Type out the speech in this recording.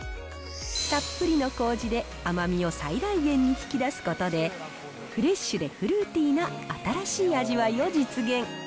たっぷりのこうじで甘みを最大限に引き出すことで、フレッシュでフルーティーな新しい味わいを実現。